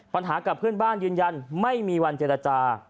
ปัญหากับเพื่อนบ้านยืนยันไม่มีวันเจรจา